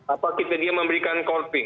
apakah dia memberikan corping